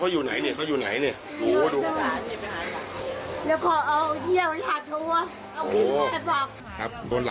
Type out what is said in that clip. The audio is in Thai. อยู่ไหนอยู่ไหน